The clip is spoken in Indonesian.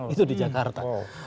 itu di jakarta